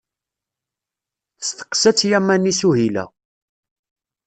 Testeqqsa-tt Yamani Suhila.